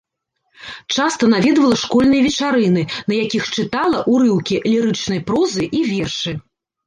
Часта наведвала школьныя вечарыны, на якіх чытала ўрыўкі лірычнай прозы і вершы.